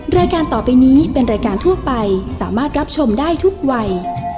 รายการต่อไปนี้เป็นรายการทั่วไปสามารถรับชมได้ทุกวัย